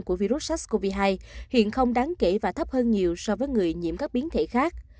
của virus sars cov hai hiện không đáng kể và thấp hơn nhiều so với người nhiễm các biến thể khác